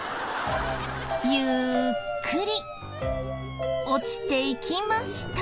ゆっくり落ちていきました。